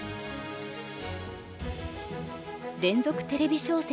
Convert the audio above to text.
連続テレビ小説